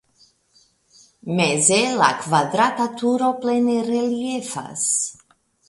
Meze la kvadrata turo plene reliefas.